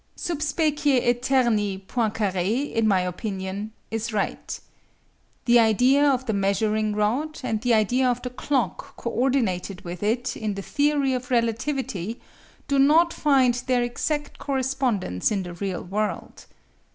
Sub specie aeterni Poincare, in my opinion, is right. The idea of the measuring rod and the idea of the clock co ordinated with it in the theory of relativity do not find their exact correspondence in the real world.